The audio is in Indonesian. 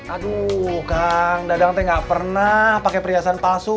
aduh kang dadang teh nggak pernah pakai perhiasan palsu